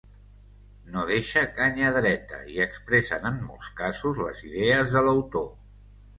No deixa canya dreta, i expressen en molts casos les idees de l'autor.